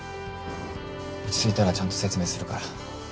落ち着いたらちゃんと説明するから。